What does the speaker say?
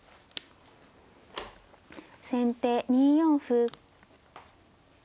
先手２四歩。